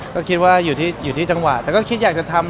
ก็คิดว่าอยู่ที่จังหวะแต่ก็คิดอยากจะทำ